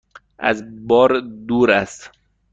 از بار دور است؟